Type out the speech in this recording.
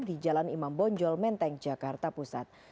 di jalan imam bonjol menteng jakarta pusat